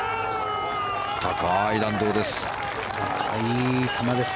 高い弾道です。